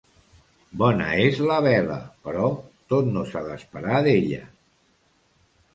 Bona és la vela, però tot no s'ha d'esperar d'ella.